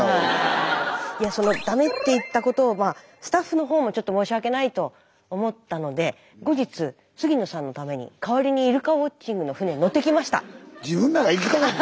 いやそのダメって言ったことをまあスタッフの方もちょっと申し訳ないと思ったので後日杉野さんのために代わりにイルカウォッチングの船に乗ってきました！